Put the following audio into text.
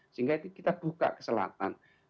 sehingga itu kita buka ke selatan